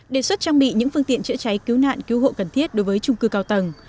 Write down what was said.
đề xuất trang bị những phương tiện chữa cháy cứu nạn cứu hộ cần thiết đối với trung cư cao tầng